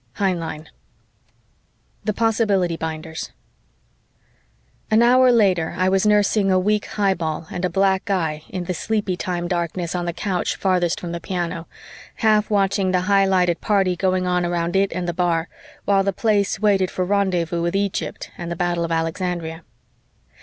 _" Heinlein THE POSSIBILITY BINDERS An hour later, I was nursing a weak highball and a black eye in the sleepy time darkness on the couch farthest from the piano, half watching the highlighted party going on around it and the bar, while the Place waited for rendezvous with Egypt and the Battle of Alexandria.